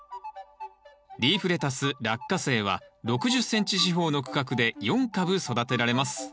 リーフレタスラッカセイは６０ｃｍ四方の区画で４株育てられます